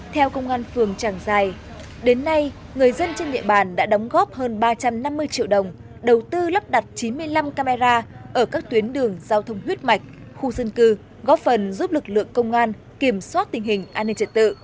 theo công an phường trảng giài đến nay người dân trên địa bàn đã đóng góp hơn ba trăm năm mươi triệu đồng đầu tư lắp đặt chín mươi năm camera ở các tuyến đường giao thông huyết mạch khu dân cư góp phần giúp lực lượng công an kiểm soát tình hình an ninh trật tự